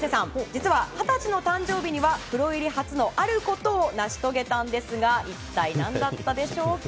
実は二十歳の誕生日にはプロ入り初のあることを成し遂げたんですが一体、何だったでしょうか？